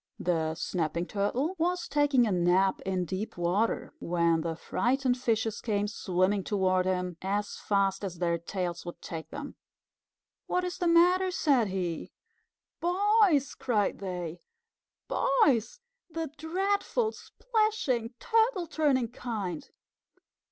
The Snapping Turtle was taking a nap in deep water, when the frightened fishes came swimming toward him as fast as their tails would take them. "What is the matter?" said he. "Boys!" cried they. "Boys! The dreadful, splashing, Turtle turning kind."